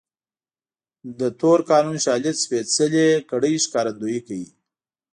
د تور قانون شالید سپېڅلې کړۍ ښکارندويي کوي.